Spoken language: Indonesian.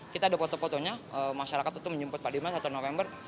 kita ada foto fotonya masyarakat itu menjemput pak dimas satu november